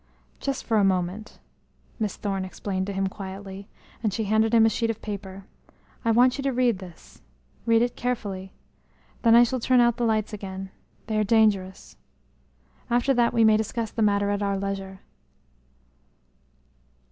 "Just for a moment," Miss Thorne explained to him quietly, and she handed him a sheet of paper. "I want you to read this read it carefully then I shall turn out the lights again. They are dangerous. After that we may discuss the matter at our leisure."